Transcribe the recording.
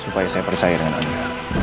supaya saya percaya dengan anda